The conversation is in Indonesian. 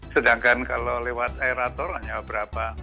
sedangkan kalau lewat aerator hanya berapa